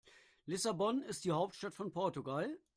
Lissabon ist die Hauptstadt von Portugal.